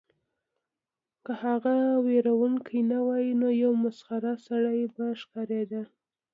که هغه ویرونکی نه وای نو یو مسخره سړی به ښکاریده